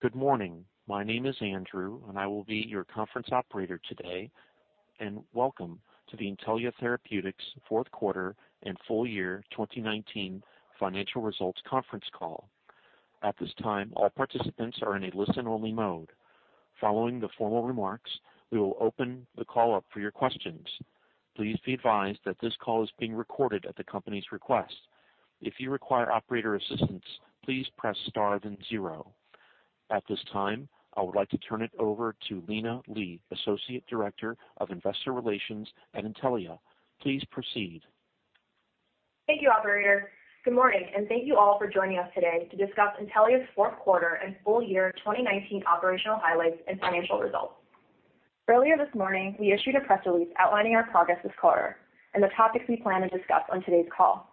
Good morning. My name is Andrew, and I will be your conference operator today. Welcome to the Intellia Therapeutics Fourth Quarter and Full Year 2019 Financial Results Conference Call. At this time, all participants are in a listen-only mode. Following the formal remarks, we will open the call up for your questions. Please be advised that this call is being recorded at the company's request. If you require operator assistance, please press star then zero. At this time, I would like to turn it over to Lina Li, Associate Director of Investor Relations at Intellia. Please proceed. Thank you, operator. Good morning, and thank you all for joining us today to discuss Intellia's fourth quarter and full year 2019 operational highlights and financial results. Earlier this morning, we issued a press release outlining our progress this quarter and the topics we plan to discuss on today's call.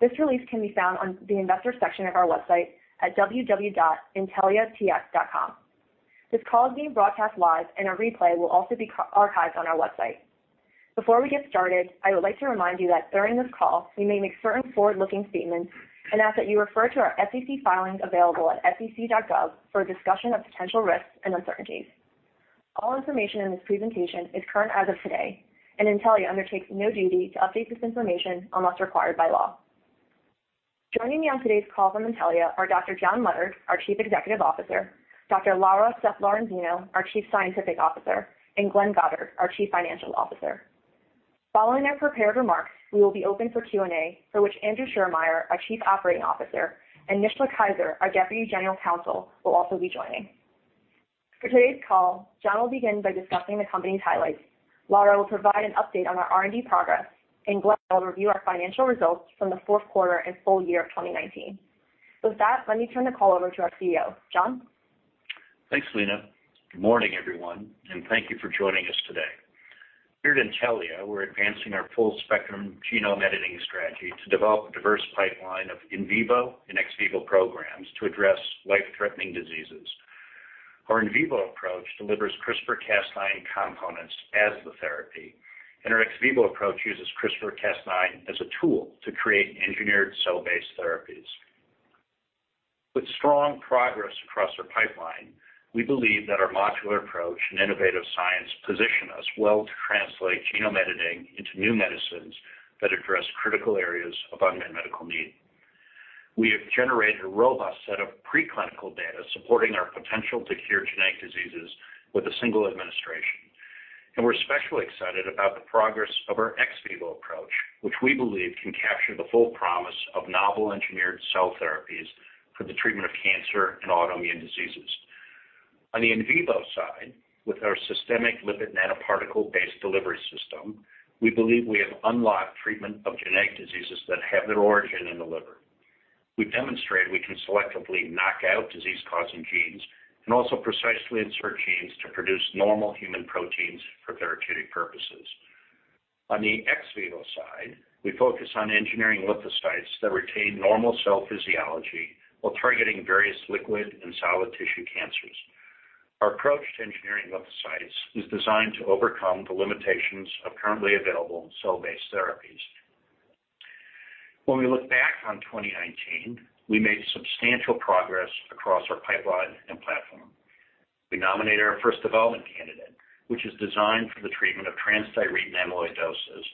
This release can be found on the investor section of our website at www.intelliatx.com. This call is being broadcast live, and a replay will also be archived on our website. Before we get started, I would like to remind you that during this call, we may make certain forward-looking statements and ask that you refer to our SEC filings available at sec.gov for a discussion of potential risks and uncertainties. All information in this presentation is current as of today, and Intellia undertakes no duty to update this information unless required by law. Joining me on today's call from Intellia are Dr. John Leonard, our Chief Executive Officer, Dr. Laura Sepp-Lorenzino, our Chief Scientific Officer, and Glenn Goddard, our Chief Financial Officer. Following their prepared remarks, we will be open for Q&A, for which Andrew Schiermeier, our Chief Operating Officer, and Nishla Keiser, our Deputy General Counsel, will also be joining. For today's call, John will begin by discussing the company's highlights, Laura will provide an update on our R&D progress, Glenn will review our financial results from the fourth quarter and full year of 2019. With that, let me turn the call over to our CEO. John? Thanks, Lina. Good morning, everyone. Thank you for joining us today. Here at Intellia, we're advancing our full spectrum genome editing strategy to develop a diverse pipeline of in vivo and ex vivo programs to address life-threatening diseases. Our in vivo approach delivers CRISPR/Cas9 components as the therapy, and our ex vivo approach uses CRISPR/Cas9 as a tool to create engineered cell-based therapies. With strong progress across our pipeline, we believe that our modular approach and innovative science position us well to translate genome editing into new medicines that address critical areas of unmet medical need. We have generated a robust set of preclinical data supporting our potential to cure genetic diseases with a single administration, and we're especially excited about the progress of our ex vivo approach, which we believe can capture the full promise of novel engineered cell therapies for the treatment of cancer and autoimmune diseases. On the in vivo side, with our systemic lipid nanoparticle-based delivery system, we believe we have unlocked treatment of genetic diseases that have their origin in the liver. We've demonstrated we can selectively knock out disease-causing genes and also precisely insert genes to produce normal human proteins for therapeutic purposes. On the ex vivo side, we focus on engineering lymphocytes that retain normal cell physiology while targeting various liquid and solid tissue cancers. Our approach to engineering lymphocytes is designed to overcome the limitations of currently available cell-based therapies. When we look back on 2019, we made substantial progress across our pipeline and platform. We nominated our first development candidate, which is designed for the treatment of transthyretin amyloidosis,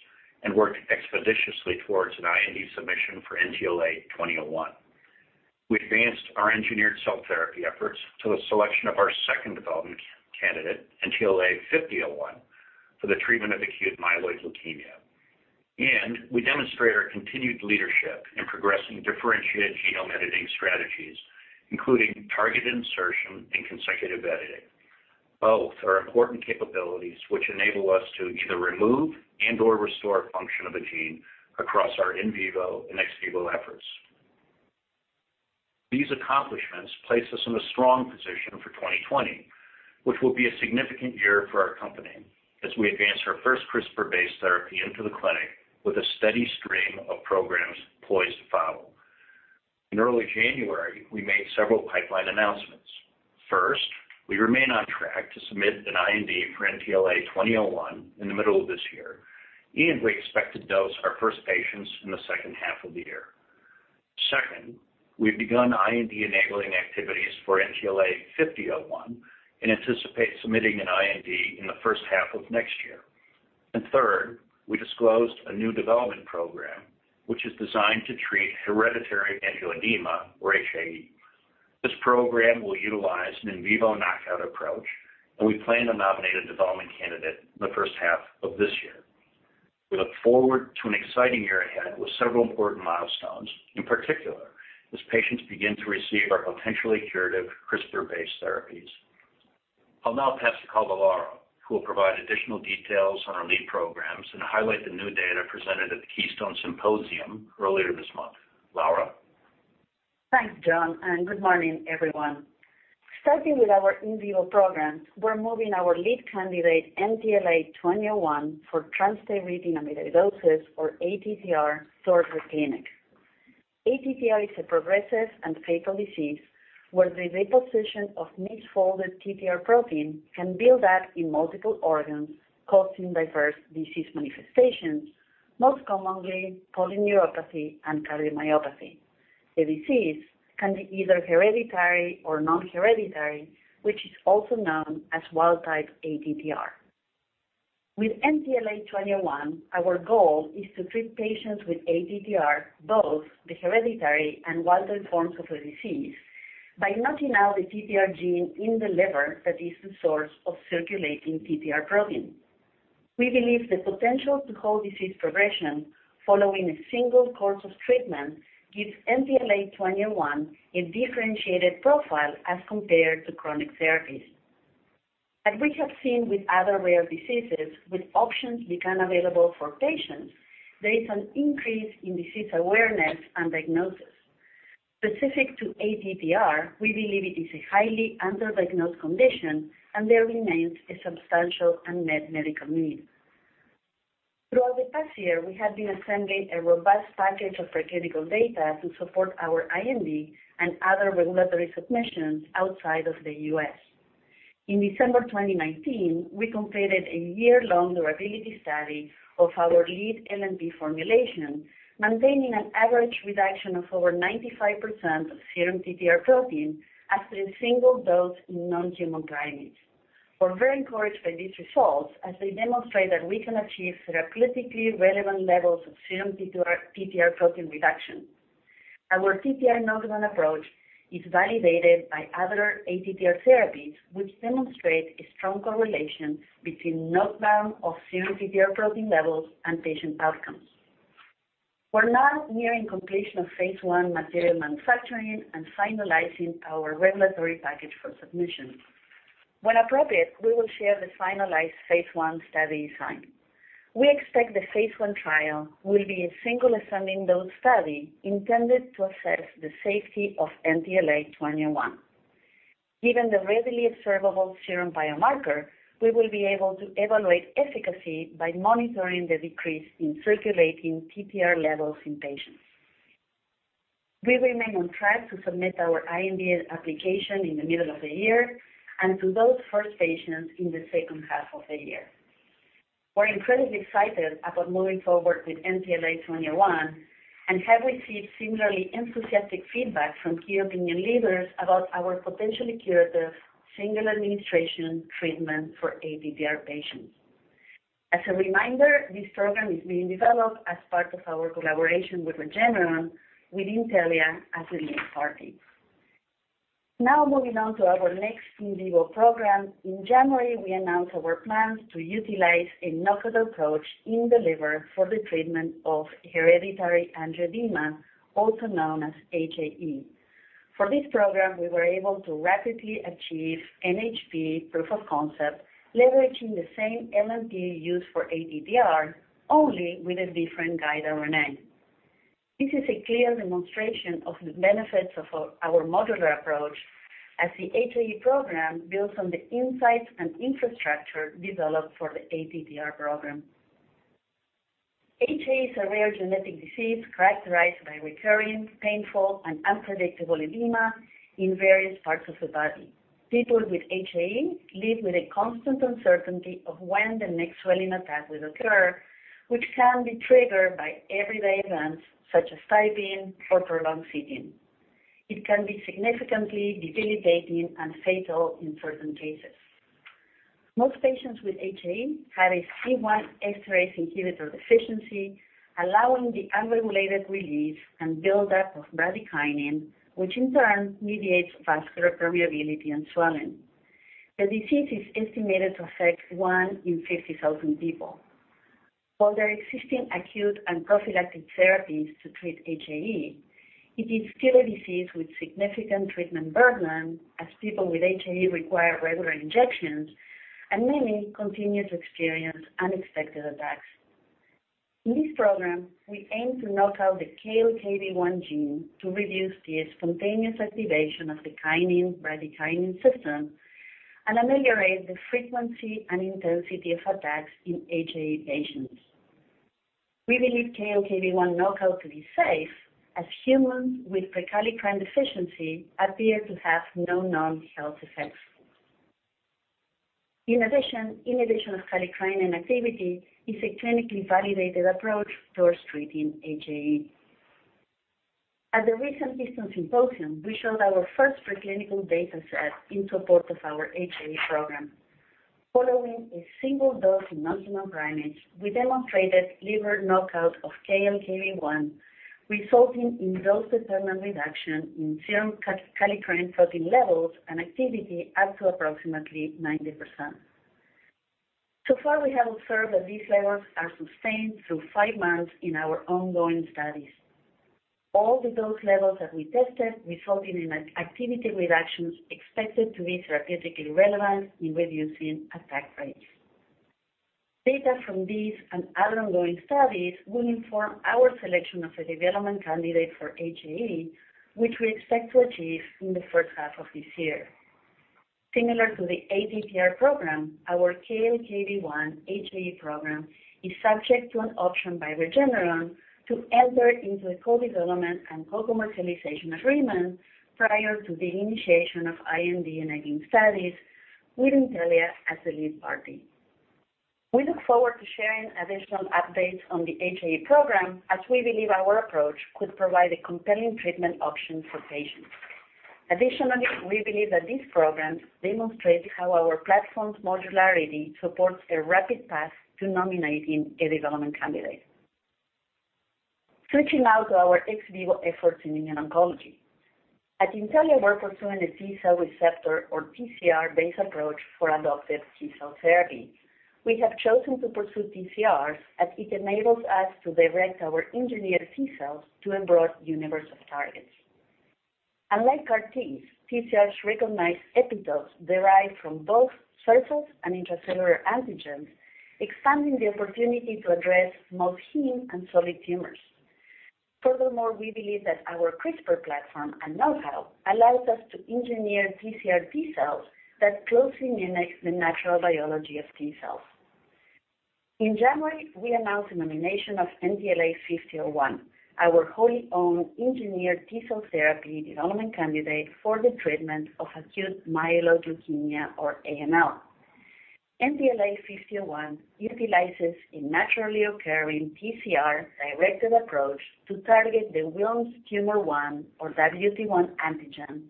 and worked expeditiously towards an IND submission for NTLA-2001. We advanced our engineered cell therapy efforts to the selection of our second development candidate, NTLA-5001, for the treatment of acute myeloid leukemia. We demonstrate our continued leadership in progressing differentiated genome editing strategies, including targeted insertion and consecutive editing. Both are important capabilities which enable us to either remove and/or restore function of a gene across our in vivo and ex vivo efforts. These accomplishments place us in a strong position for 2020, which will be a significant year for our company as we advance our first CRISPR-based therapy into the clinic with a steady stream of programs poised to follow. In early January, we made several pipeline announcements. First, we remain on track to submit an IND for NTLA-2001 in the middle of this year, and we expect to dose our first patients in the second half of the year. Second, we've begun IND-enabling activities for NTLA-5001 and anticipate submitting an IND in the first half of next year. Third, we disclosed a new development program, which is designed to treat hereditary angioedema, or HAE. This program will utilize an in vivo knockout approach, and we plan to nominate a development candidate in the first half of this year. We look forward to an exciting year ahead with several important milestones, in particular, as patients begin to receive our potentially curative CRISPR-based therapies. I'll now pass the call to Laura, who will provide additional details on our lead programs and highlight the new data presented at the Keystone Symposium earlier this month. Laura? Thanks, John. Good morning, everyone. Starting with our in vivo programs, we're moving our lead candidate, NTLA-2001, for transthyretin amyloidosis or ATTR towards the clinic. ATTR is a progressive and fatal disease, where the deposition of misfolded TTR protein can build up in multiple organs causing diverse disease manifestations, most commonly polyneuropathy and cardiomyopathy. The disease can be either hereditary or non-hereditary, which is also known as wild-type ATTR. With NTLA-2001, our goal is to treat patients with ATTR, both the hereditary and wild-type forms of the disease by knocking out the TTR gene in the liver that is the source of circulating TTR protein. We believe the potential to halt disease progression following a single course of treatment gives NTLA-2001 a differentiated profile as compared to chronic therapies. As we have seen with other rare diseases, when options become available for patients, there is an increase in disease awareness and diagnosis. Specific to ATTR, we believe it is a highly under-diagnosed condition, and there remains a substantial unmet medical need. Throughout the past year, we have been assembling a robust package of preclinical data to support our IND and other regulatory submissions outside of the U.S. In December 2019, we completed a year-long durability study of our lead LNP formulation, maintaining an average reduction of over 95% of serum TTR protein after a single dose in non-human primates. We're very encouraged by these results as they demonstrate that we can achieve therapeutically relevant levels of serum TTR protein reduction. Our TTR knockdown approach is validated by other ATTR therapies, which demonstrate a strong correlation between knockdown of serum TTR protein levels and patient outcomes. We're now nearing completion of phase I material manufacturing and finalizing our regulatory package for submission. When appropriate, we will share the finalized phase I study design. We expect the phase I trial will be a single ascending dose study intended to assess the safety of NTLA-2001. Given the readily observable serum biomarker, we will be able to evaluate efficacy by monitoring the decrease in circulating TTR levels in patients. We remain on track to submit our IND application in the middle of the year, and to those first patients in the second half of the year. We're incredibly excited about moving forward with NTLA-2001 and have received similarly enthusiastic feedback from Key Opinion Leaders about our potentially curative single administration treatment for ATTR patients. As a reminder, this program is being developed as part of our collaboration with Regeneron, with Intellia as the lead party. Now moving on to our next in vivo program. In January, we announced our plans to utilize a knockout approach in the liver for the treatment of hereditary angioedema, also known as HAE. For this program, we were able to rapidly achieve NHP proof of concept, leveraging the same LNP used for ATTR, only with a different guide RNA. This is a clear demonstration of the benefits of our modular approach as the HAE program builds on the insights and infrastructure developed for the ATTR Program. HAE is a rare genetic disease characterized by recurring, painful, and unpredictable edema in various parts of the body. People with HAE live with a constant uncertainty of when the next swelling attack will occur, which can be triggered by everyday events such as typing or prolonged sitting. It can be significantly debilitating and fatal in certain cases. Most patients with HAE have a C1 esterase inhibitor deficiency, allowing the unregulated release and buildup of bradykinin, which in turn mediates vascular permeability and swelling. The disease is estimated to affect one in 50,000 people. While there are existing acute and prophylactic therapies to treat HAE, it is still a disease with significant treatment burden as people with HAE require regular injections and many continuously experience unexpected attacks. In this program, we aim to knock out the KLKB1 gene to reduce the spontaneous activation of the kinin-bradykinin system and ameliorate the frequency and intensity of attacks in HAE patients. We believe KLKB1 knockout to be safe, as humans with prekallikrein deficiency appear to have no known health effects. In addition, inhibition of kallikrein activity is a clinically validated approach towards treating HAE. At the recent Keystone Symposium, we showed our first preclinical data set in support of our HAE program. Following a single dose in non-human primates, we demonstrated liver knockout of KLKB1, resulting in dose-dependent reduction in serum kallikrein protein levels and activity up to approximately 90%. So far, we have observed that these levels are sustained through five months in our ongoing studies. All the dose levels that we tested resulted in activity reductions expected to be therapeutically relevant in reducing attack rates. Data from these and other ongoing studies will inform our selection of a development candidate for HAE, which we expect to achieve in the first half of this year. Similar to the ATTR Program, our KLKB1 HAE program is subject to an option by Regeneron to enter into a co-development and co-commercialization agreement prior to the initiation of IND-enabling studies with Intellia as the lead party. We look forward to sharing additional updates on the HAE program as we believe our approach could provide a compelling treatment option for patients. We believe that these programs demonstrate how our platform's modularity supports a rapid path to nominating a development candidate. Switching now to our ex vivo efforts in immune oncology. At Intellia, we're pursuing a T-cell receptor, or TCR, based approach for adoptive T-cell therapy. We have chosen to pursue TCRs as it enables us to direct our engineered T-cells to a broad universe of targets. Unlike CAR-Ts, TCRs recognize epitopes derived from both surface and intracellular antigens, expanding the opportunity to address more heme and solid tumors. We believe that our CRISPR platform and know-how allows us to engineer TCR T-cells that closely mimics the natural biology of T-cells. In January, we announced the nomination of NTLA-5001, our wholly owned engineered T-cell therapy development candidate for the treatment of acute myeloid leukemia or AML. NTLA-5001 utilizes a naturally occurring TCR-directed approach to target the Wilms' tumor 1, or WT1 antigen,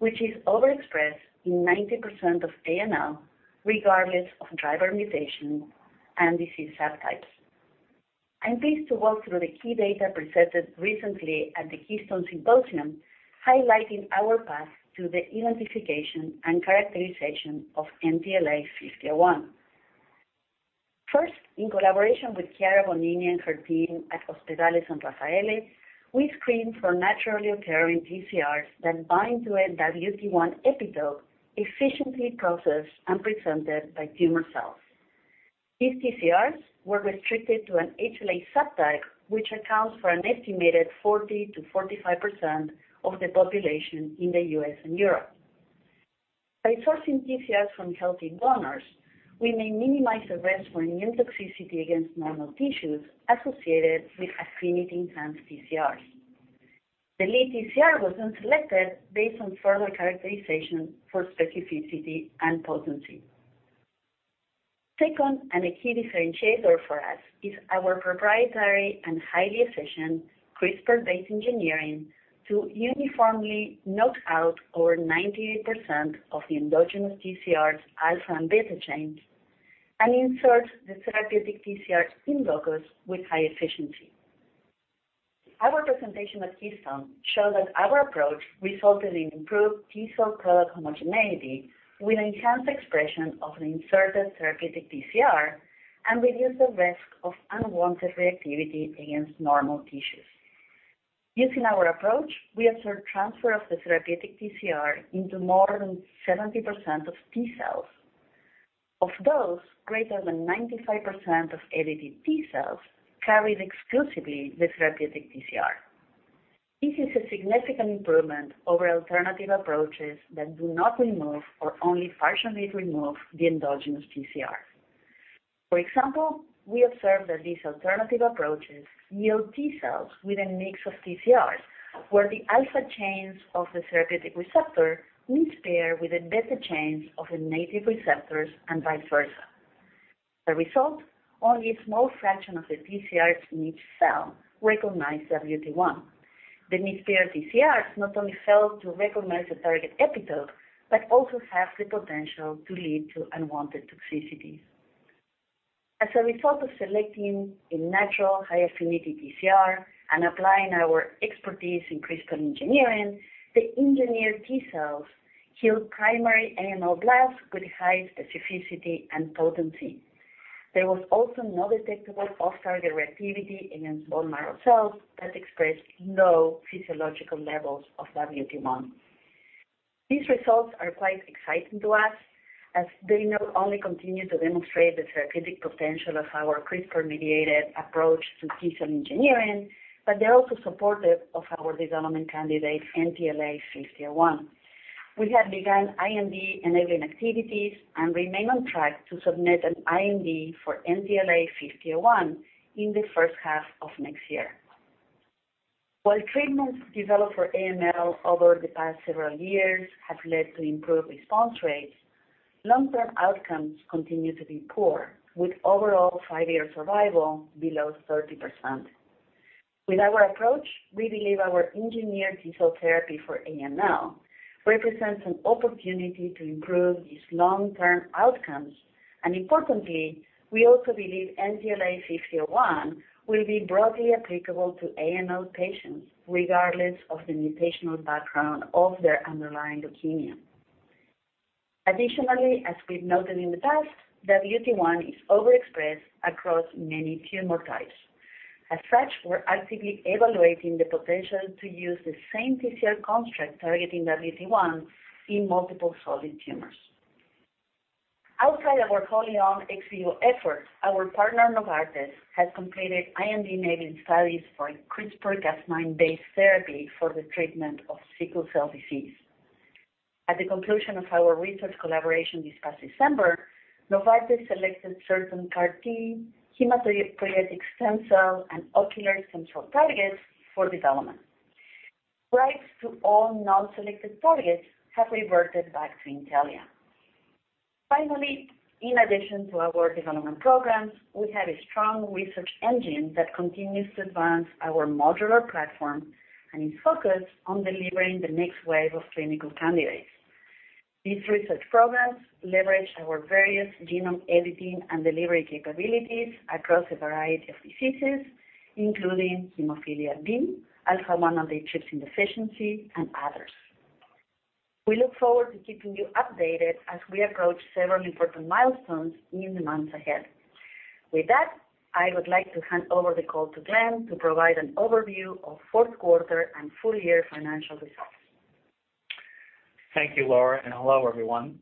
which is overexpressed in 90% of AML, regardless of driver mutation and disease subtypes. I'm pleased to walk through the key data presented recently at the Keystone Symposium, highlighting our path to the identification and characterization of NTLA-5001. First, in collaboration with Chiara Bonini and her team at Ospedale San Raffaele, we screened for naturally occurring TCRs that bind to a WT1 epitope efficiently processed and presented by tumor cells. These TCRs were restricted to an HLA subtype, which accounts for an estimated 40%-45% of the population in the U.S. and Europe. By sourcing TCRs from healthy donors, we may minimize the risk for immune toxicity against normal tissues associated with affinity enhanced TCRs. The lead TCR was then selected based on further characterization for specificity and potency. Second, and a key differentiator for us, is our proprietary and highly efficient CRISPR-based engineering to uniformly knock out over 98% of the endogenous TCR's alpha and beta chains and insert the therapeutic TCR in locus with high efficiency. Our presentation at Keystone showed that our approach resulted in improved T-cell product homogeneity with enhanced expression of an inserted therapeutic TCR and reduced the risk of unwanted reactivity against normal tissues. Using our approach, we observed transfer of the therapeutic TCR into more than 70% of T-cells. Of those, greater than 95% of edited T-cells carried exclusively the therapeutic TCR. This is a significant improvement over alternative approaches that do not remove or only partially remove the endogenous TCR. For example, we observed that these alternative approaches yield T-cells with a mix of TCRs, where the alpha chains of the therapeutic receptor mispair with the beta chains of the native receptors and vice versa. The result? Only a small fraction of the TCRs in each cell recognize WT1. The mispaired TCRs not only fail to recognize the target epitope, but also have the potential to lead to unwanted toxicities. As a result of selecting a natural high-affinity TCR and applying our expertise in CRISPR engineering, the engineered T-cells killed primary AML blasts with high specificity and potency. There was also no detectable off-target reactivity against bone marrow cells that expressed low physiological levels of WT1. These results are quite exciting to us as they not only continue to demonstrate the therapeutic potential of our CRISPR-mediated approach to T-cell engineering, but they're also supportive of our development candidate, NTLA-5001. We have begun IND-enabling activities and remain on track to submit an IND for NTLA-5001 in the first half of next year. While treatments developed for AML over the past several years have led to improved response rates, long-term outcomes continue to be poor, with overall five-year survival below 30%. With our approach, we believe our engineered T-cell therapy for AML represents an opportunity to improve these long-term outcomes. Importantly, we also believe NTLA-5001 will be broadly applicable to AML patients, regardless of the mutational background of their underlying leukemia. Additionally, as we've noted in the past, WT1 is overexpressed across many tumor types. As such, we're actively evaluating the potential to use the same TCR construct targeting WT1 in multiple solid tumors. Outside of our wholly owned ex vivo efforts, our partner Novartis has completed IND-enabling studies for a CRISPR/Cas9-based therapy for the treatment of sickle cell disease. At the conclusion of our research collaboration this past December, Novartis selected certain CAR-T, hematopoietic stem cell, and ocular stem cell targets for development. Rights to all non-selected targets have reverted back to Intellia. Finally, in addition to our development programs, we have a strong research engine that continues to advance our modular platform and is focused on delivering the next wave of clinical candidates. These research programs leverage our various genome editing and delivery capabilities across a variety of diseases, including hemophilia B, alpha-1 antitrypsin deficiency, and others. We look forward to keeping you updated as we approach several important milestones in the months ahead. With that, I would like to hand over the call to Glenn to provide an overview of fourth quarter and full-year financial results. Thank you, Laura. Hello, everyone.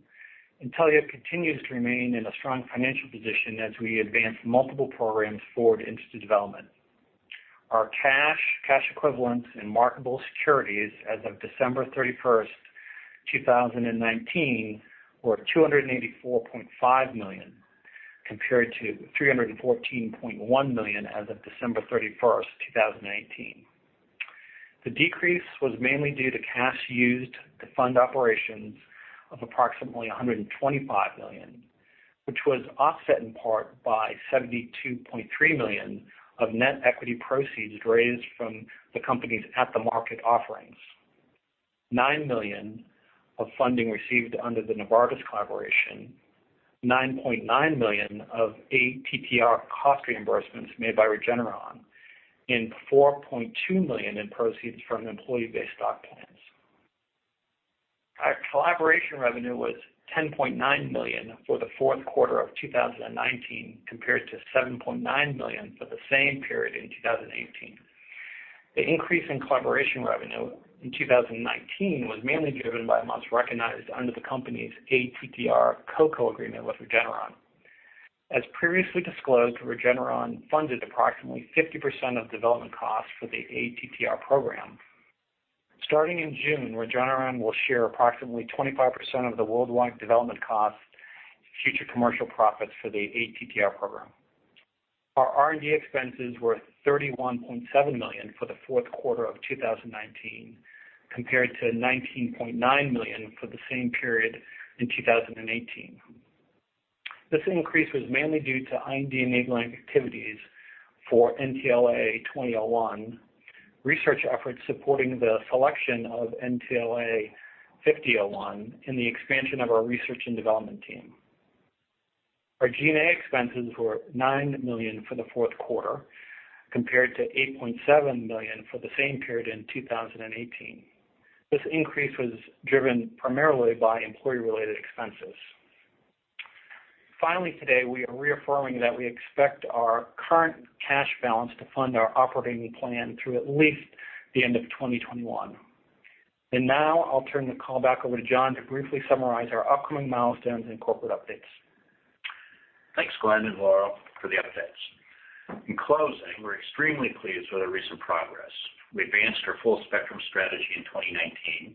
Intellia continues to remain in a strong financial position as we advance multiple programs forward into development. Our cash equivalents, and marketable securities as of December 31st, 2019, were $284.5 million, compared to $314.1 million as of December 31st, 2018. The decrease was mainly due to cash used to fund operations of approximately $125 million, which was offset in part by $72.3 million of net equity proceeds raised from the company's at-the-market offerings, $9 million of funding received under the Novartis collaboration, $9.9 million of ATTR cost reimbursements made by Regeneron, and $4.2 million in proceeds from employee-based stock plans. Our collaboration revenue was $10.9 million for the fourth quarter of 2019, compared to $7.9 million for the same period in 2018. The increase in collaboration revenue in 2019 was mainly driven by amounts recognized under the company's ATTR Co-Co agreement with Regeneron. As previously disclosed, Regeneron funded approximately 50% of development costs for the ATTR Program. Starting in June, Regeneron will share approximately 25% of the worldwide development costs, future commercial profits for the ATTR Program. Our R&D expenses were $31.7 million for the fourth quarter of 2019, compared to $19.9 million for the same period in 2018. This increase was mainly due to IND-enabling activities for NTLA-2001 research efforts supporting the selection of NTLA-5001 in the expansion of our research and development team. Our G&A expenses were $9 million for the fourth quarter, compared to $8.7 million for the same period in 2018. This increase was driven primarily by employee-related expenses. Finally, today, we are reaffirming that we expect our current cash balance to fund our operating plan through at least the end of 2021. Now I'll turn the call back over to John to briefly summarize our upcoming milestones and corporate updates. Thanks, Glenn and Laura, for the updates. In closing, we're extremely pleased with our recent progress. We advanced our full spectrum strategy in 2019,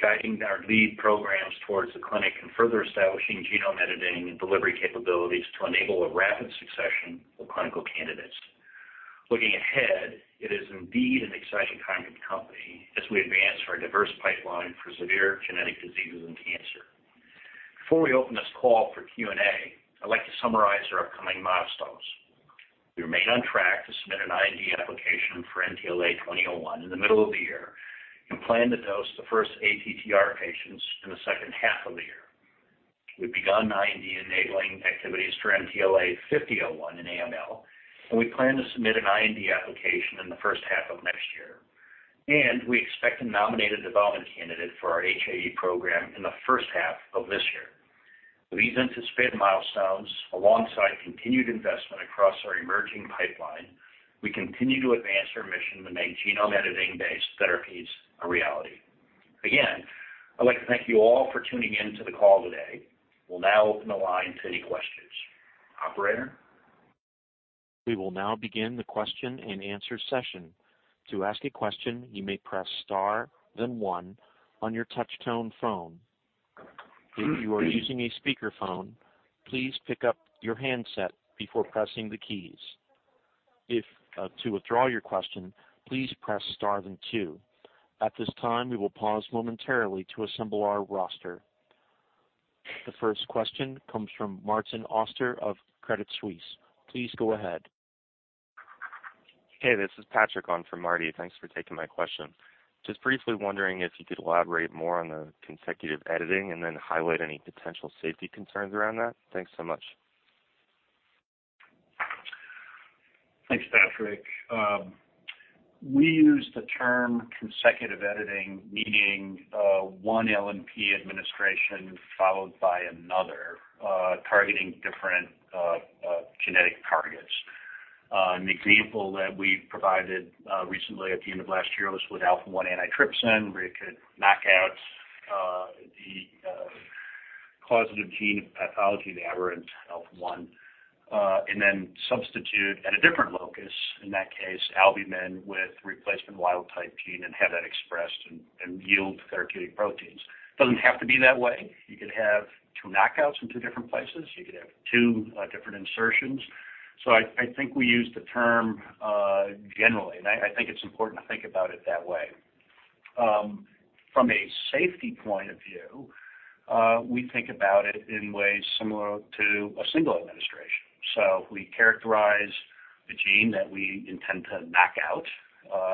guiding our lead programs towards the clinic and further establishing genome editing and delivery capabilities to enable a rapid succession of clinical candidates. Looking ahead, it is indeed an exciting time at the company as we advance our diverse pipeline for severe genetic diseases and cancer. Before we open this call for Q&A, I'd like to summarize our upcoming milestones. We remain on track to submit an IND application for NTLA-2001 in the middle of the year and plan to dose the first ATTR patients in the second half of the year. We've begun IND-enabling activities for NTLA-5001 in AML, and we plan to submit an IND application in the first half of next year, and we expect to nominate a development candidate for our HAE program in the first half of this year. With these anticipated milestones, alongside continued investment across our emerging pipeline, we continue to advance our mission to make genome editing-based therapies a reality. Again, I'd like to thank you all for tuning in to the call today. We'll now open the line to any questions. Operator? We will now begin the question and answer session. To ask a question, you may press star then one on your touch-tone phone. If you are using a speakerphone, please pick up your handset before pressing the keys. To withdraw your question, please press star then two. At this time, we will pause momentarily to assemble our roster. The first question comes from Martin Auster of Credit Suisse. Please go ahead. Hey, this is Patrick on for Martin. Thanks for taking my question. Just briefly wondering if you could elaborate more on the consecutive editing and then highlight any potential safety concerns around that? Thanks so much. Thanks, Patrick. We use the term consecutive editing, meaning one LNP administration followed by another, targeting different genetic targets. An example that we provided recently at the end of last year was with alpha-1 antitrypsin, where you could knock out the causative gene pathology, the aberrant alpha-1, and then substitute at a different locus, in that case, albumin with replacement wild type gene and have that expressed and yield therapeutic proteins. Doesn't have to be that way. You could have two knockouts in two different places. You could have two different insertions. I think we use the term generally, and I think it's important to think about it that way. From a safety point of view, we think about it in ways similar to a single administration. We characterize the gene that we intend to knock out,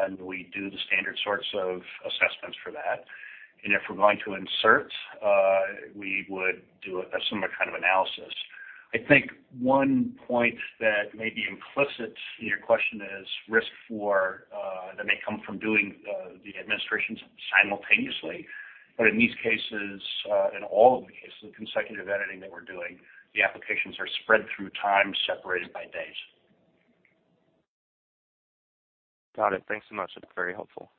and we do the standard sorts of assessments for that. If we're going to insert, we would do a similar kind of analysis. I think one point that may be implicit in your question is risk for that may come from doing the administrations simultaneously. In these cases, in all of the cases of consecutive editing that we're doing, the applications are spread through time, separated by days. Got it. Thanks so much. That's very helpful.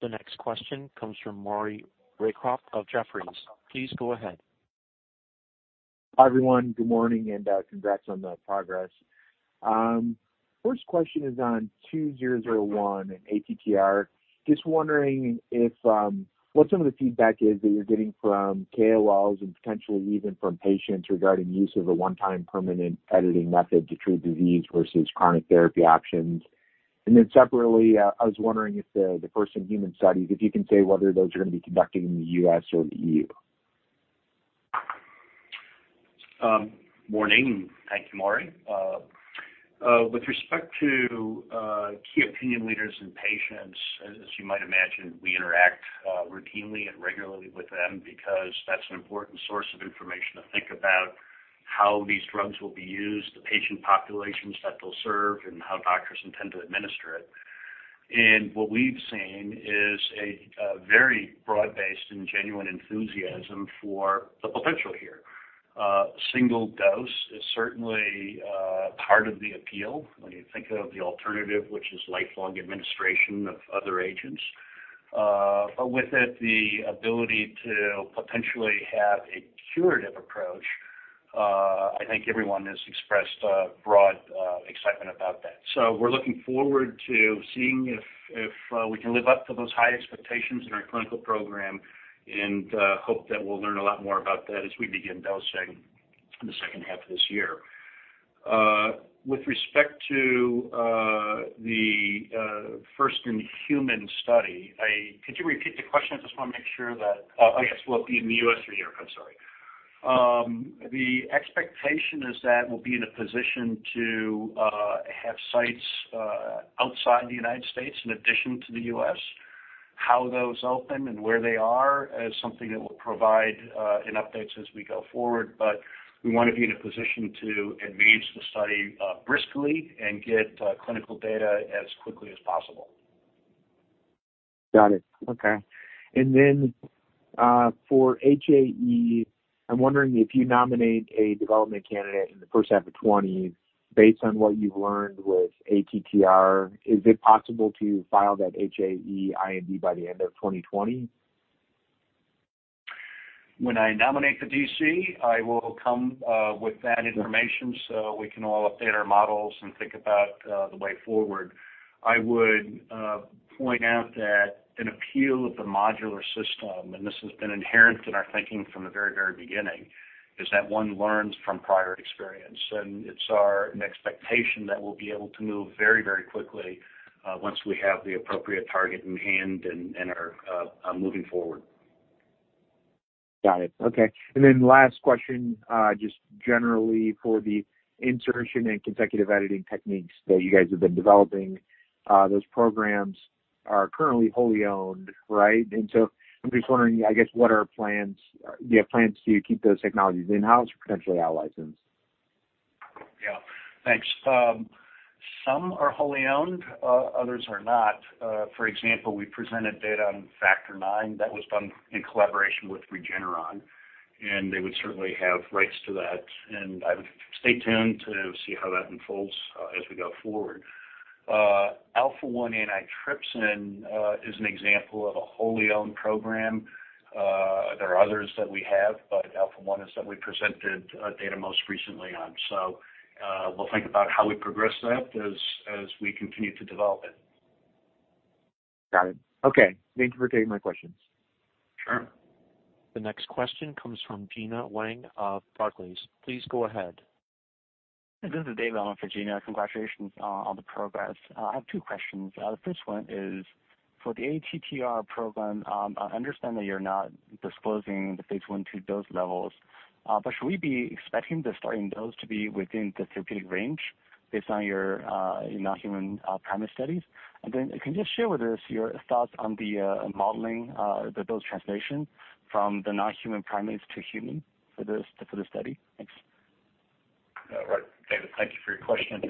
The next question comes from Maury Raycroft of Jefferies. Please go ahead. Hi, everyone. Good morning, and congrats on the progress. First question is on NTLA-2001 and ATTR. Just wondering what some of the feedback is that you're getting from KOLs and potentially even from patients regarding use of a one-time permanent editing method to treat disease versus chronic therapy options. Separately, I was wondering if the first-in-human studies, if you can say whether those are going to be conducted in the U.S. or the EU. Morning. Thank you, Maury. With respect to Key Opinion Leaders and patients, as you might imagine, we interact routinely and regularly with them because that's an important source of information to think about how these drugs will be used, the patient populations that they'll serve, and how doctors intend to administer it. What we've seen is a very broad-based and genuine enthusiasm for the potential here. Single dose is certainly part of the appeal when you think of the alternative, which is lifelong administration of other agents. With it, the ability to potentially have a curative approach, I think everyone has expressed broad excitement about that. We're looking forward to seeing if we can live up to those high expectations in our clinical program and hope that we'll learn a lot more about that as we begin dosing in the second half of this year. With respect to the first-in-human study, could you repeat the question? I just want to make sure that I guess, will it be in the U.S. or Europe? I'm sorry. The expectation is that we'll be in a position to have sites outside the United States in addition to the U.S. How those open and where they are is something that we'll provide in updates as we go forward, but we want to be in a position to advance the study briskly and get clinical data as quickly as possible. Got it. Okay. For HAE, I'm wondering if you nominate a development candidate in the first half of 2020, based on what you've learned with ATTR, is it possible to file that HAE IND by the end of 2020? When I nominate the D.C., I will come with that information so we can all update our models and think about the way forward. I would point out that an appeal of the modular system, and this has been inherent in our thinking from the very, very beginning, is that one learns from prior experience, and it's our expectation that we'll be able to move very, very quickly once we have the appropriate target in hand and are moving forward. Got it. Okay. Last question, just generally for the insertion and consecutive editing techniques that you guys have been developing, those programs are currently wholly owned, right? I'm just wondering, I guess, do you have plans to keep those technologies in-house or potentially out-license? Yeah. Thanks. Some are wholly owned, others are not. For example, we presented data on Factor IX that was done in collaboration with Regeneron. They would certainly have rights to that. I would stay tuned to see how that unfolds as we go forward. Alpha-1 antitrypsin is an example of a wholly owned program. There are others that we have. Alpha-1 is that we presented data most recently on. We'll think about how we progress that as we continue to develop it. Got it. Okay. Thank you for taking my questions. Sure. The next question comes from Gena Wang of Barclays. Please go ahead. This is David on for Gena. Congratulations on the progress. I have two questions. The first one is for the ATTR Program. I understand that you're not disclosing the phase I to dose levels, but should we be expecting the starting dose to be within the therapeutic range based on your non-human primate studies? Can you just share with us your thoughts on the modeling the dose translation from the non-human primates to human for the study? Thanks. All right, David, thank you for your question.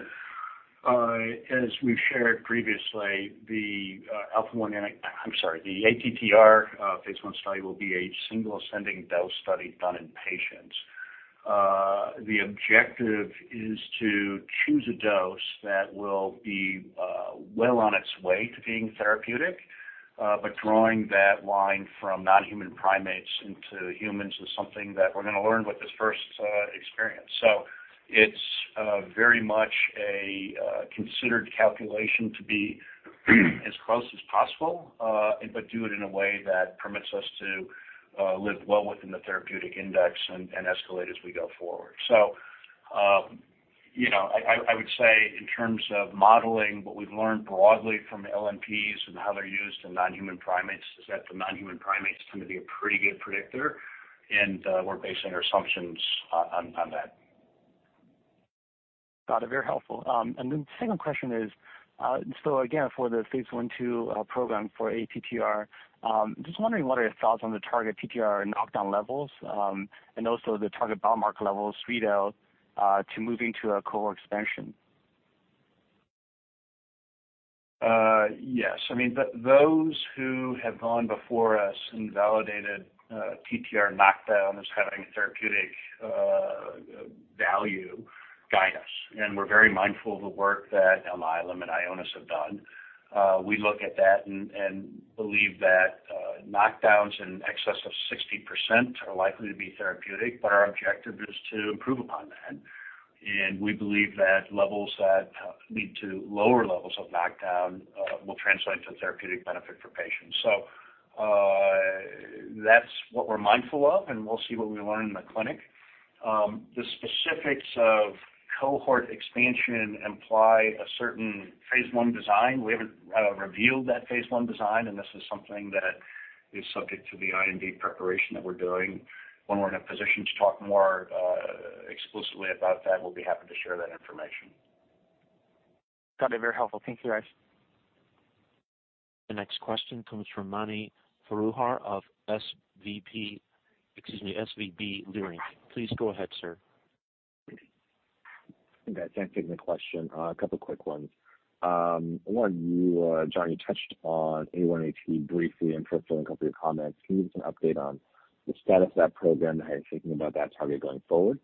As we've shared previously, the ATTR phase I study will be a single ascending dose study done in patients. The objective is to choose a dose that will be well on its way to being therapeutic. Drawing that line from non-human primates into humans is something that we're going to learn with this first experience. It's very much a considered calculation to be as close as possible, but do it in a way that permits us to live well within the therapeutic index and escalate as we go forward. I would say in terms of modeling what we've learned broadly from LNPs and how they're used in non-human primates, is that the non-human primate is going to be a pretty good predictor, and we're basing our assumptions on that. Got it. Very helpful. The second question is, again, for the phase I/II program for ATTR, just wondering what are your thoughts on the target TTR knockdown levels and also the target biomarker levels readout to moving to a cohort expansion? Yes. Those who have gone before us and validated TTR knockdown as having a therapeutic value guide us. We're very mindful of the work that Alnylam and Ionis have done. We look at that and believe that knockdowns in excess of 60% are likely to be therapeutic, but our objective is to improve upon that. We believe that levels that lead to lower levels of knockdown will translate to therapeutic benefit for patients. That's what we're mindful of, and we'll see what we learn in the clinic. The specifics of cohort expansion imply a certain phase I design. We haven't revealed that phase I design. This is something that is subject to the IND preparation that we're doing. When we're in a position to talk more explicitly about that, we'll be happy to share that information. Got it. Very helpful. Thank you, guys. The next question comes from Mani Foroohar of SVB Leerink. Please go ahead, sir. Thanks, guys, for taking the question. A couple quick ones. One, you, John, you touched on A1AT briefly and touched on a couple of your comments. Can you give us an update on the status of that program, how you're thinking about that target going forward?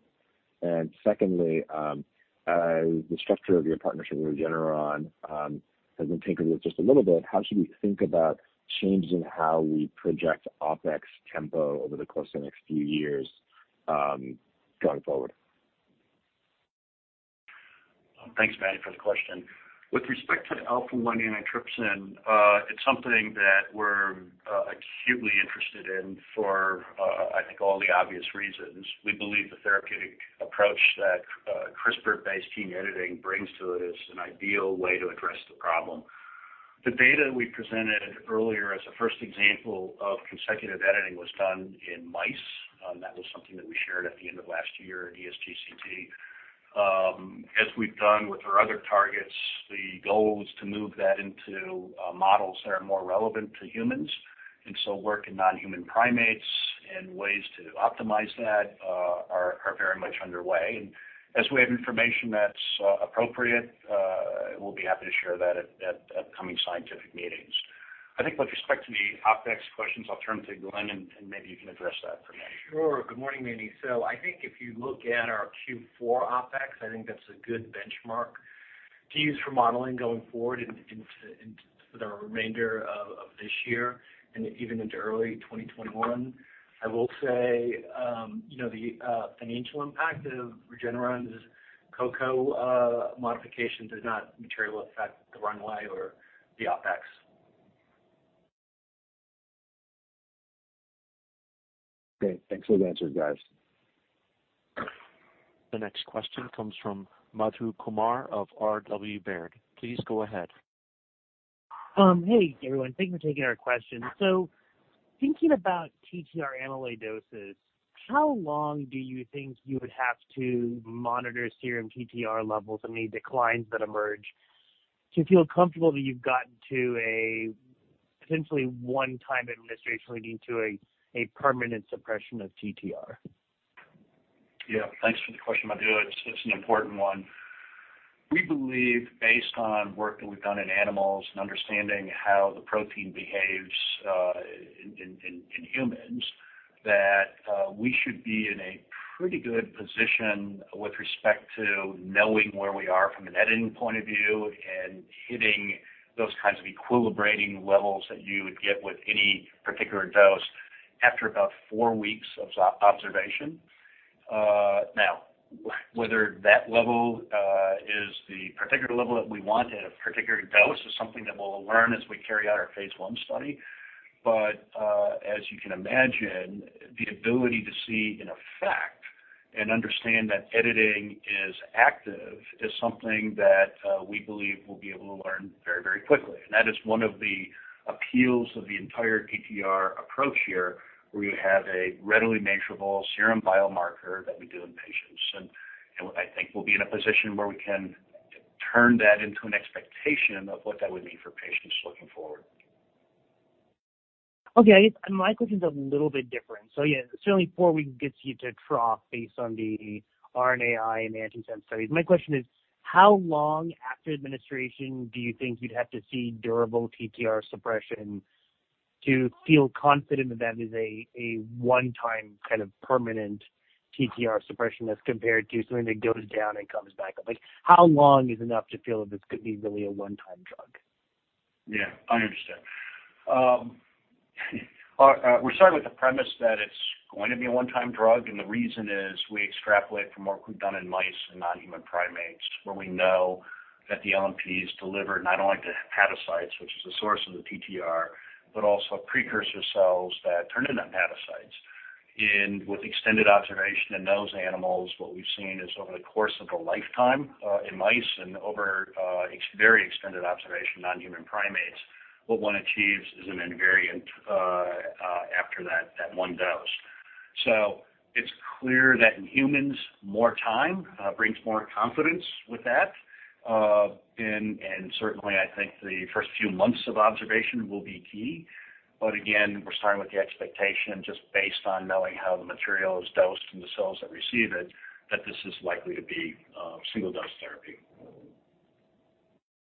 Secondly, the structure of your partnership with Regeneron has been tinkered with just a little bit. How should we think about changing how we project OpEx tempo over the course of the next few years going forward? Thanks, Mani, for the question. With respect to alpha-1 antitrypsin, it's something that we're acutely interested in for, I think, all the obvious reasons. We believe the therapeutic approach that CRISPR-based gene editing brings to it is an ideal way to address the problem. The data we presented earlier as a first example of consecutive editing was done in mice. That was something that we shared at the end of last year at ESGCT. As we've done with our other targets, the goal was to move that into models that are more relevant to humans, and so work in non-human primates and ways to optimize that are very much underway. As we have information that's appropriate, we'll be happy to share that at upcoming scientific meetings. I think with respect to the OpEx questions, I'll turn to Glenn, and maybe you can address that for me. Sure. Good morning, Mani. I think if you look at our Q4 OpEx, I think that's a good benchmark to use for modeling going forward for the remainder of this year and even into early 2021. I will say the financial impact of Regeneron's Co-Co modification does not materially affect the runway or the OpEx. Great. Thanks for the answers, guys. The next question comes from Madhu Kumar of R.W. Baird. Please go ahead. Hey, everyone. Thank you for taking our question. Thinking about TTR amyloidosis, how long do you think you would have to monitor serum TTR levels and any declines that emerge to feel comfortable that you've gotten to a potentially one-time administration leading to a permanent suppression of TTR? Thanks for the question, Madhu. It's an important one. We believe based on work that we've done in animals and understanding how the protein behaves in humans, that we should be in a pretty good position with respect to knowing where we are from an editing point of view and hitting those kinds of equilibrating levels that you would get with any particular dose after about four weeks of observation. Whether that level is the particular level that we want at a particular dose is something that we'll learn as we carry out our phase I study. As you can imagine, the ability to see an effect and understand that editing is active is something that we believe we'll be able to learn very quickly. That is one of the appeals of the entire TTR approach here, where you have a readily measurable serum biomarker that we do in patients. I think we'll be in a position where we can turn that into an expectation of what that would mean for patients looking forward. Okay. My question's a little bit different. Yeah, certainly four weeks gets you to trough based on the RNAi and antisense studies. My question is, how long after administration do you think you'd have to see durable TTR suppression to feel confident that that is a one-time kind of permanent TTR suppression as compared to something that goes down and comes back up? How long is enough to feel that this could be really a one-time drug? Yeah, I understand. We're starting with the premise that it's going to be a one-time drug. The reason is we extrapolate from work we've done in mice and non-human primates where we know that the LNPs deliver not only to hepatocytes, which is the source of the TTR, but also precursor cells that turn into hepatocytes. With extended observation in those animals, what we've seen is over the course of a lifetime, in mice and over very extended observation, non-human primates, what one achieves is an invariant after that one dose. It's clear that in humans, more time brings more confidence with that. Certainly, I think the first few months of observation will be key. Again, we're starting with the expectation just based on knowing how the material is dosed from the cells that receive it, that this is likely to be a single-dose therapy.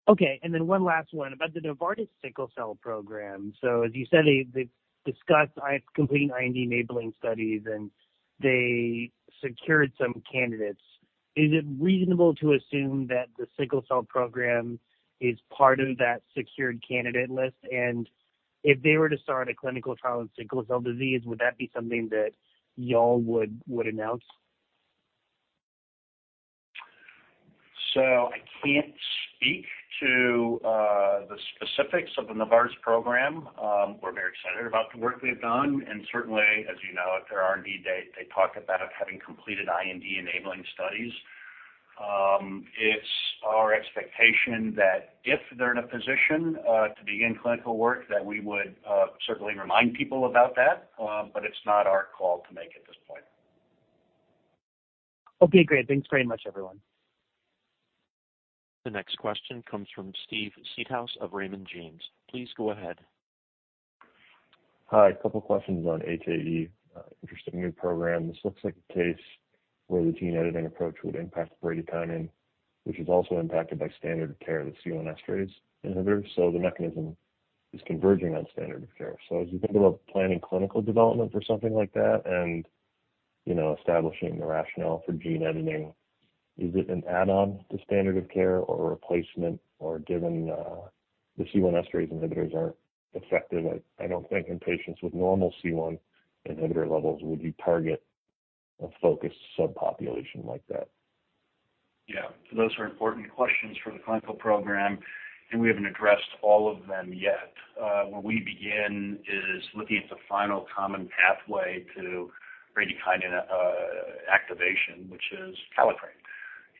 Okay, one last one about the Novartis sickle cell program. As you said, they've discussed complete IND-enabling studies, and they secured some candidates. Is it reasonable to assume that the sickle cell program is part of that secured candidate list? If they were to start a clinical trial in sickle cell disease, would that be something that y'all would announce? I can't speak to the specifics of the Novartis program. We're very excited about the work we've done and certainly, as you know, at their R&D Day, they talked about having completed IND-enabling studies. It's our expectation that if they're in a position to begin clinical work, that we would certainly remind people about that. It's not our call to make at this point. Okay, great. Thanks very much, everyone. The next question comes from Steve Seedhouse of Raymond James. Please go ahead. Hi. A couple questions on HAE. Interesting new program. This looks like a case where the gene editing approach would impact bradykinin, which is also impacted by standard care, the C1 esterase inhibitor. The mechanism is converging on standard of care. As you think about planning clinical development for something like that and establishing the rationale for gene editing, is it an add-on to standard of care or a replacement? Given the C1 esterase inhibitors aren't effective, I don't think in patients with normal C1 inhibitor levels, would you target a focused subpopulation like that? Those are important questions for the clinical program, we haven't addressed all of them yet. Where we begin is looking at the final common pathway to bradykinin activation, which is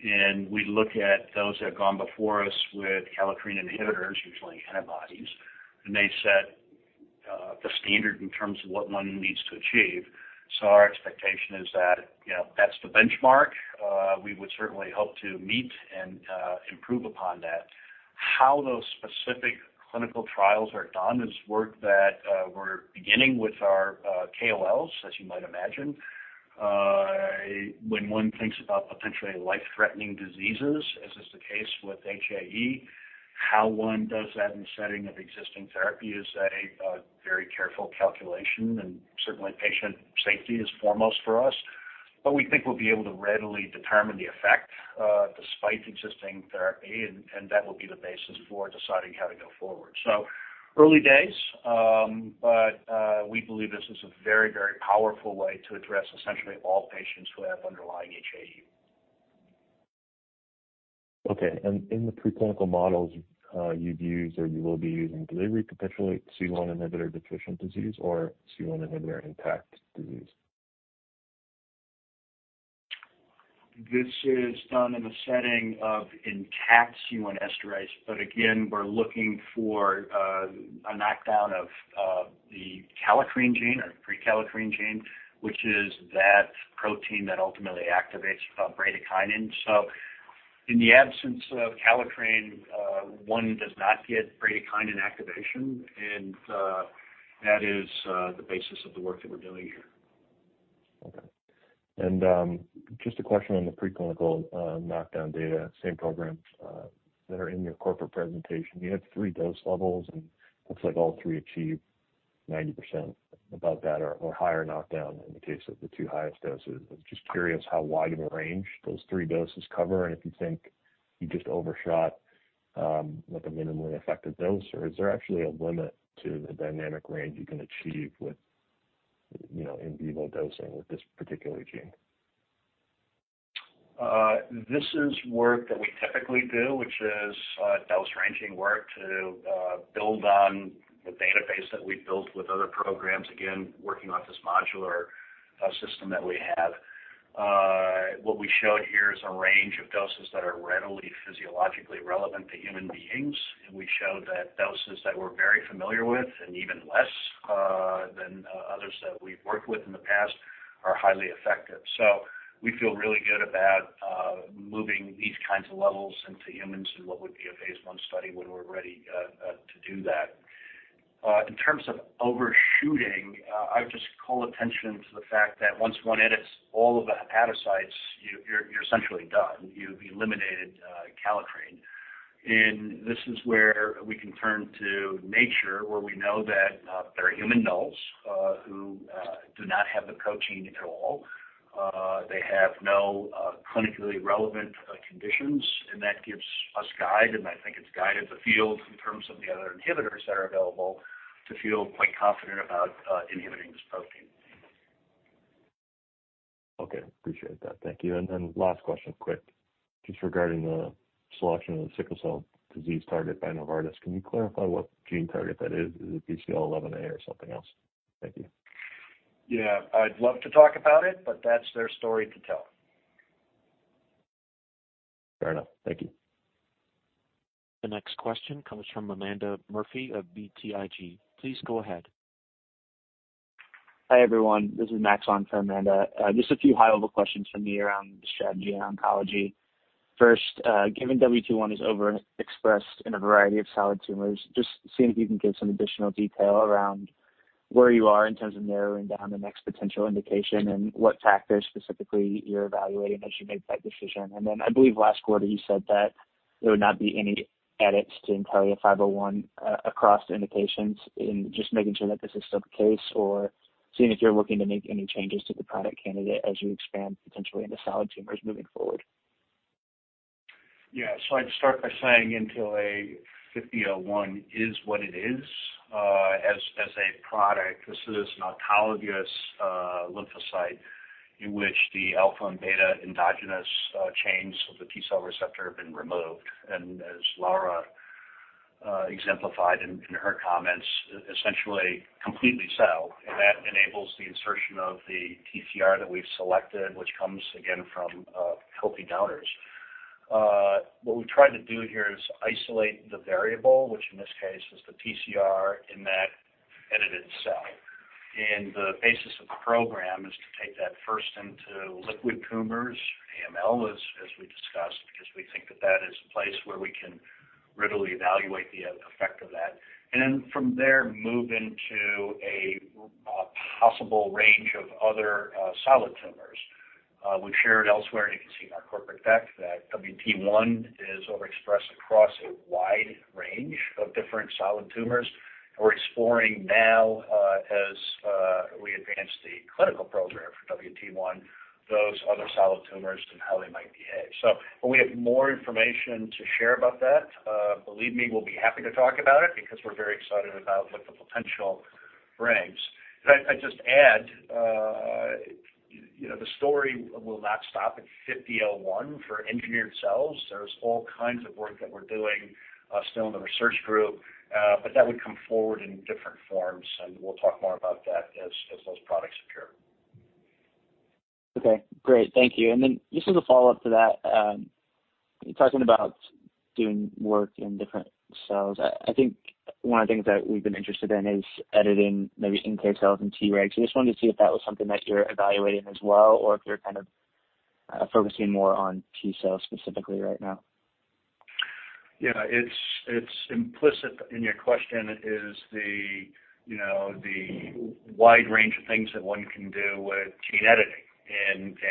kallikrein. We look at those that have gone before us with kallikrein inhibitors, usually antibodies, and they set the standard in terms of what one needs to achieve. Our expectation is that's the benchmark. We would certainly hope to meet and improve upon that. How those specific clinical trials are done is work that we're beginning with our KOLs, as you might imagine. When one thinks about potentially life-threatening diseases, as is the case with HAE, how one does that in the setting of existing therapy is a very careful calculation, and certainly patient safety is foremost for us. We think we'll be able to readily determine the effect, despite existing therapy, and that will be the basis for deciding how to go forward. Early days, but we believe this is a very, very powerful way to address essentially all patients who have underlying HAE. Okay. In the preclinical models you've used or you will be using delivery, potentially C1 inhibitor deficient disease or C1 inhibitor intact disease? This is done in the setting of intact C1 esterase. Again, we're looking for a knockdown of the kallikrein gene or prekallikrein gene, which is that protein that ultimately activates bradykinin. In the absence of kallikrein, one does not get bradykinin activation, and that is the basis of the work that we're doing here. Okay. Just a question on the preclinical knockdown data, same programs that are in your corporate presentation. You had three dose levels, and looks like all three achieve 90% above that or higher knockdown in the case of the two highest doses. I'm just curious how wide of a range those three doses cover and if you think you just overshot, like a minimally effective dose, or is there actually a limit to the dynamic range you can achieve with in vivo dosing with this particular gene? This is work that we typically do, which is dose ranging work to build on the database that we've built with other programs, again, working off this modular system that we have. What we showed here is a range of doses that are readily physiologically relevant to human beings. We showed that doses that we're very familiar with and even less than others that we've worked with in the past are highly effective. We feel really good about moving these kinds of levels into humans in what would be a phase I study when we're ready to do that. In terms of overshooting, I would just call attention to the fact that once one edits all of the hepatocytes, you're essentially done. You've eliminated kallikrein. This is where we can turn to nature, where we know that there are human nulls who do not have the protein at all. They have no clinically relevant conditions, and that gives us guide, and I think it's guided the field in terms of the other inhibitors that are available to feel quite confident about inhibiting this protein. Okay. Appreciate that. Thank you. Last question quick, just regarding the selection of the sickle cell disease target by Novartis. Can you clarify what gene target that is? Is it BCL11A or something else? Thank you. Yeah. I’d love to talk about it, that’s their story to tell. Fair enough. Thank you. The next question comes from Amanda Murphy of BTIG. Please go ahead. Hi, everyone. This is Max on for Amanda. A few high-level questions from me around the strategy on oncology. First, given WT1 is overexpressed in a variety of solid tumors, just seeing if you can give some additional detail around where you are in terms of narrowing down the next potential indication and what factors specifically you're evaluating as you make that decision. I believe last quarter you said that there would not be any edits to NTLA-5001 across indications and just making sure that this is still the case or seeing if you're looking to make any changes to the product candidate as you expand potentially into solid tumors moving forward. Yeah. I'd start by saying NT-5001 is what it is as a product. This is an autologous lymphocyte in which the alpha and beta endogenous chains of the T-cell receptor have been removed. As Laura exemplified in her comments, essentially completely cell, and that enables the insertion of the TCR that we've selected, which comes again from healthy donors. What we've tried to do here is isolate the variable, which in this case is the TCR in that edited cell. The basis of the program is to take that first into liquid tumors, AML, as we discussed, because we think that that is a place where we can readily evaluate the effect of that. Then from there, move into a possible range of other solid tumors. We've shared elsewhere, and you can see in our corporate deck that WT1 is overexpressed across a wide range of different solid tumors. We're exploring now, as we advance the clinical program for WT1, those other solid tumors and how they might behave. When we have more information to share about that, believe me, we'll be happy to talk about it because we're very excited about what the potential brings. Could I just add, the story will not stop at 5001 for engineered cells. There's all kinds of work that we're doing still in the research group, but that would come forward in different forms, and we'll talk more about that as those products mature. Okay. Great. Thank you. Just as a follow-up to that, you're talking about doing work in different cells. I think one of the things that we've been interested in is editing maybe NK cells and Tregs. I just wanted to see if that was something that you're evaluating as well or if you're kind of focusing more on T-cells specifically right now. Yeah. It's implicit in your question is the wide range of things that one can do with gene editing,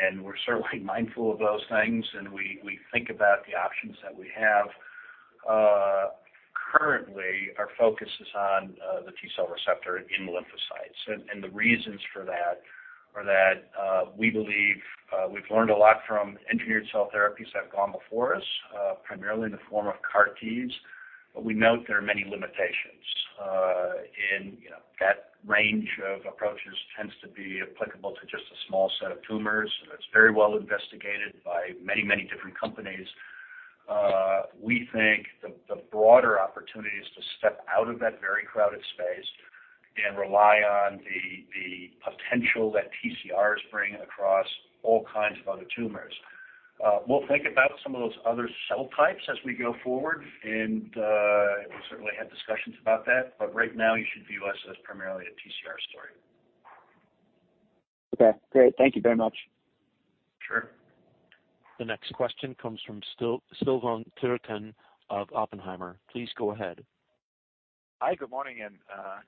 and we're certainly mindful of those things, and we think about the options that we have. Currently, our focus is on the T-cell receptor in lymphocytes. The reasons for that are that we believe we've learned a lot from engineered cell therapies that have gone before us, primarily in the form of CAR-Ts, but we note there are many limitations. That range of approaches tends to be applicable to just a small set of tumors. It's very well investigated by many, many different companies. We think the broader opportunity is to step out of that very crowded space and rely on the potential that TCRs bring across all kinds of other tumors. We'll think about some of those other cell types as we go forward, and we'll certainly have discussions about that, but right now you should view us as primarily a TCR story. Okay, great. Thank you very much. Sure. The next question comes from Silvan Türkcan of Oppenheimer. Please go ahead. Hi, good morning, and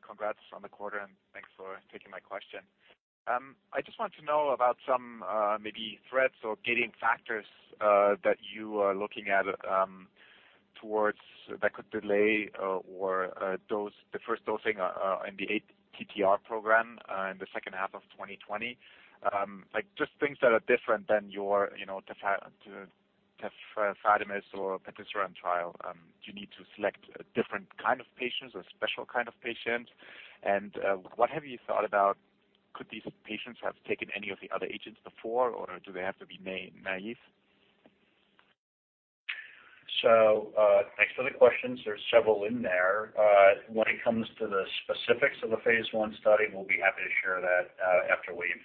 congrats on the quarter, and thanks for taking my question. I just want to know about some maybe threats or gating factors that you are looking at towards that could delay or the first dosing in the ATTR program in the second half of 2020. Just things that are different than your trial. Do you need to select different kind of patients or special kind of patients? What have you thought about could these patients have taken any of the other agents before, or do they have to be naive? Thanks for the questions. There's several in there. When it comes to the specifics of the phase I study, we'll be happy to share that after we've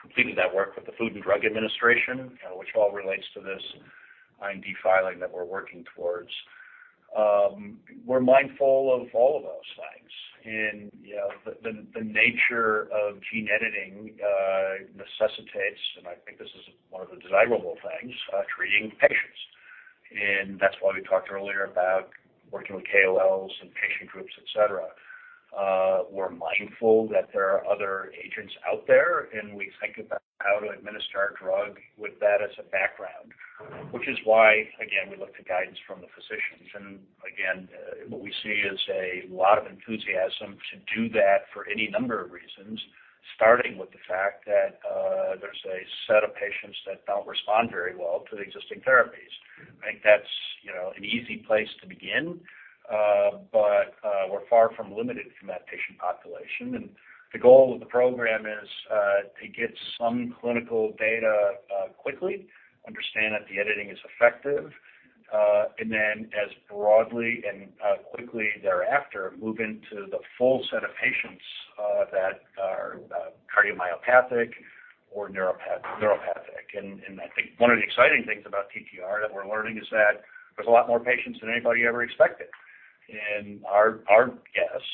completed that work with the Food and Drug Administration, which all relates to this IND filing that we're working towards. We're mindful of all of those things. The nature of gene editing necessitates, and I think this is one of the desirable things, treating patients. That's why we talked earlier about working with KOLs and patient groups, et cetera. We're mindful that there are other agents out there, and we think about how to administer our drug with that as a background, which is why, again, we look to guidance from the physicians. Again, what we see is a lot of enthusiasm to do that for any number of reasons, starting with the fact that there's a set of patients that don't respond very well to the existing therapies. I think that's an easy place to begin. We're far from limited from that patient population, and the goal of the program is to get some clinical data quickly, understand that the editing is effective, and then as broadly and quickly thereafter, move into the full set of patients that are cardiomyopathic or neuropathic. I think one of the exciting things about TTR that we're learning is that there's a lot more patients than anybody ever expected. Our guess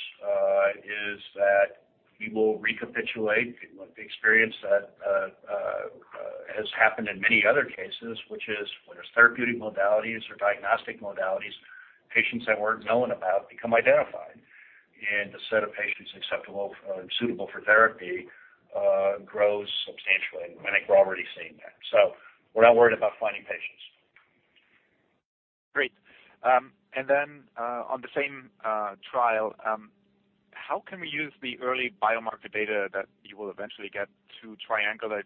is that we will recapitulate the experience that has happened in many other cases, which is when there's therapeutic modalities or diagnostic modalities, patients that weren't known about become identified. The set of patients acceptable or suitable for therapy grows substantially, and I think we're already seeing that. We're not worried about finding patients. Great. On the same trial, how can we use the early biomarker data that you will eventually get to triangulate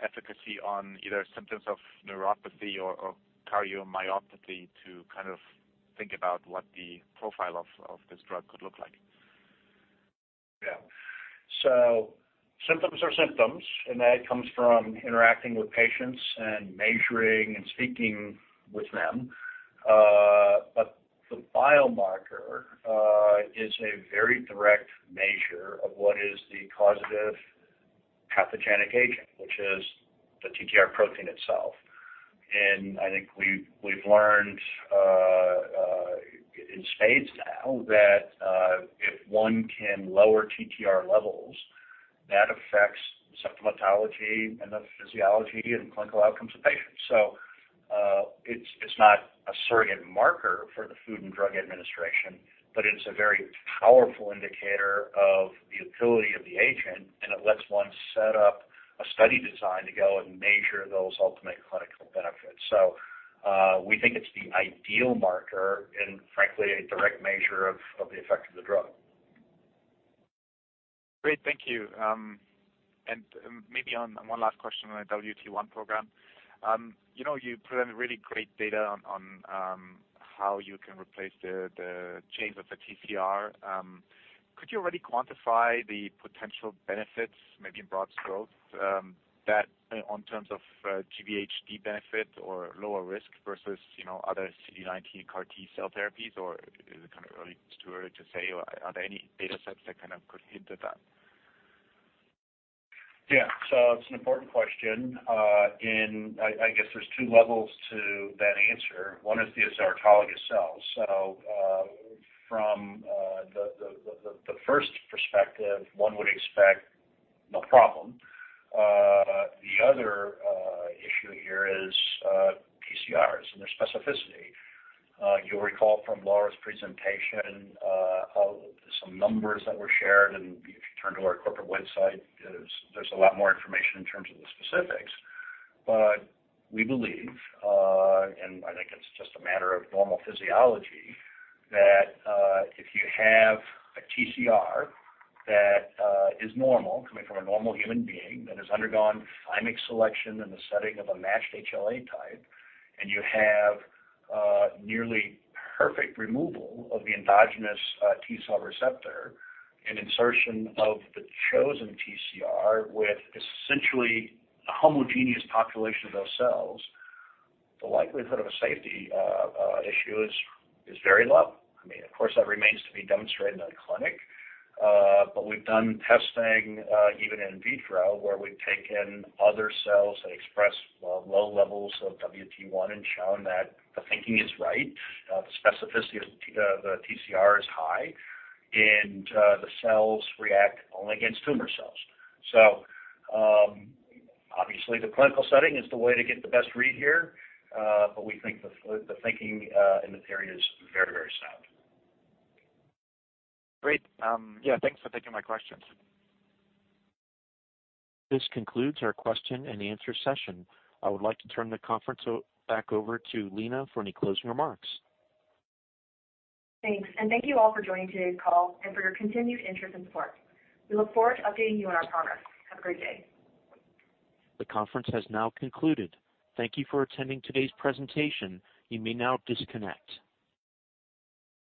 efficacy on either symptoms of neuropathy or cardiomyopathy to think about what the profile of this drug could look like? Yeah. Symptoms are symptoms, and that comes from interacting with patients and measuring and speaking with them. The biomarker is a very direct measure of what is the causative pathogenic agent, which is the TTR protein itself. I think we've learned in spades now that if one can lower TTR levels, that affects symptomatology and the physiology and clinical outcomes of patients. It's not a surrogate marker for the Food and Drug Administration, but it's a very powerful indicator of the utility of the agent, and it lets one set up a study design to go and measure those ultimate clinical benefits. We think it's the ideal marker and frankly, a direct measure of the effect of the drug. Great. Thank you. Maybe on one last question on the WT1 program, you know you present really great data on how you can replace the chains of the TCR. Could you already quantify the potential benefits, maybe in broad strokes, that on terms of GvHD benefit or lower risk versus other CD19 CAR-T cell therapies, or is it kind of too early to say, or are there any data sets that could hint at that? Yeah. It's an important question. I guess there's two levels to that answer. One is these are autologous cells. From the first perspective, one would expect no problem. The other issue here is TCRs and their specificity. You'll recall from Laura's presentation some numbers that were shared, and if you turn to our corporate website, there's a lot more information in terms of the specifics. We believe, and I think it's just a matter of normal physiology, that if you have a TCR that is normal, coming from a normal human being that has undergone thymic selection in the setting of a matched HLA type, and you have nearly perfect removal of the endogenous T-cell receptor and insertion of the chosen TCR with essentially a homogeneous population of those cells, the likelihood of a safety issue is very low. I mean, of course, that remains to be demonstrated in the clinic. We've done testing, even in vitro, where we've taken other cells that express low levels of WT1 and shown that the thinking is right, the specificity of the TCR is high, and the cells react only against tumor cells. Obviously, the clinical setting is the way to get the best read here. We think the thinking in the theory is very, very sound. Great. Yeah, thanks for taking my questions. This concludes our question and answer session. I would like to turn the conference back over to Lina for any closing remarks. Thanks. Thank you all for joining today's call and for your continued interest and support. We look forward to updating you on our progress. Have a great day. The conference has now concluded. Thank You for attending today's presentation. You may now disconnect.